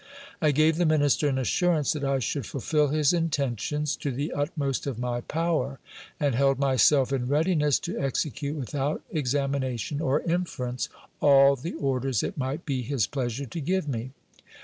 I gave the minister an assurance that I should fulfil his intentions to the utmost of my power, and held myself in readi aess to execute without examination or inference all the orders it might be his pleasure to give me.